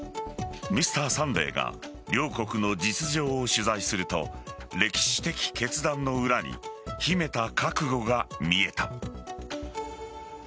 「Ｍｒ．サンデー」が両国の実情を取材すると歴史的決断の裏に秘めた覚悟が見えた。